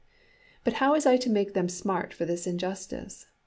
But how was I to make them smart for this injustice?